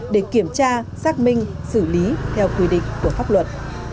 để kiểm tra xác minh xử lý theo quy định của pháp luật